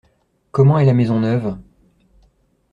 Comment est la maison neuve ?